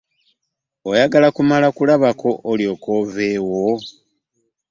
Oyagala kumala kulabako olyoke oveewo?